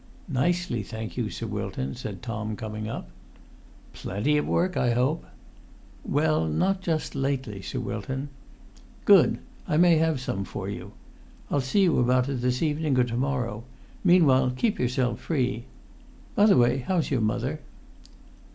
"Nicely, thank you, Sir Wilton," said Tom, coming up. "Plenty of work, I hope?" "Well, not just lately, Sir Wilton." "Good! I may have some for you. I'll see you about it this evening or to morrow; meanwhile keep yourself free. By the way, how's your mother?"